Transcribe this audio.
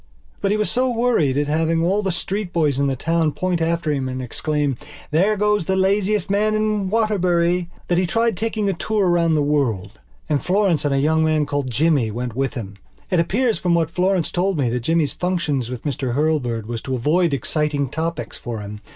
But he was so worried at having all the street boys in the town point after him and exclaim: "There goes the laziest man in Waterbury!" that he tried taking a tour round the world. And Florence and a young man called Jimmy went with him. It appears from what Florence told me that Jimmy's function with Mr Hurlbird was to avoid exciting topics for him.